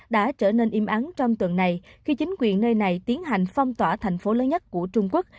đã trở nên im ắng trong tuần này khi chính quyền nơi này tiến hành phong tỏa thành phố lớn nhất của trung quốc